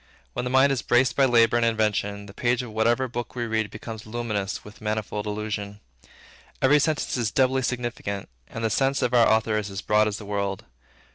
When the mind is braced by labor and invention, the page of whatever book we read becomes luminous with manifold allusion. Every sentence is doubly significant, and the sense of our author is as broad as the world.